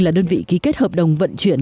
là đơn vị ký kết hợp đồng vận chuyển